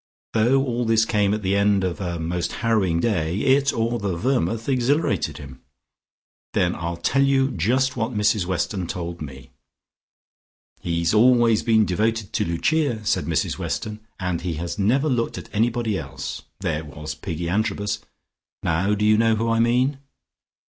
Though all this came at the end of a most harrowing day, it or the vermouth exhilarated him. "Then I'll tell you just what Mrs Weston told me. 'He's always been devoted to Lucia,' said Mrs Weston, 'and he has never looked at anybody else. There was Piggy Antrobus ' Now do you know who I mean?"